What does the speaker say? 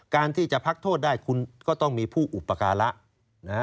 การที่จะพักโทษได้คุณก็ต้องมีผู้อุปการะนะฮะ